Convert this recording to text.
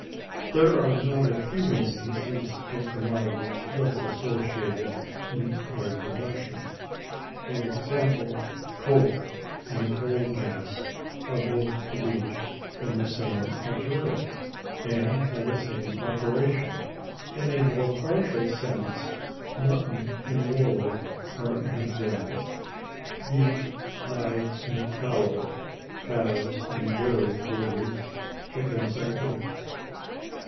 There are not a few instances of commodities thus associated in their production. For example, coke and coal gas are both produced from the same material, and by the same operation. In a more partial sense, mutton and wool are an example; beef, hides, and tallow; calves and dairy produce; chickens and eggs.